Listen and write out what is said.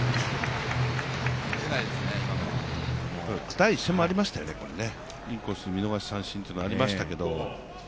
第１戦もありましたよね、これ、インコース見逃し三振っていうのがありましたけど。